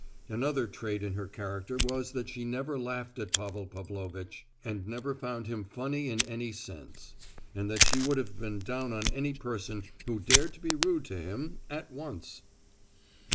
Another trait in her character was that she never laughed at Pavel Pavlovitch, and never found him funny in any sense; and that she would have been down on any person who dared to be rude to him, at once!